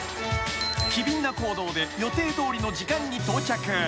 ［機敏な行動で予定どおりの時間に到着］